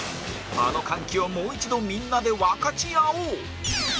あの歓喜をもう一度みんなで分かち合おう！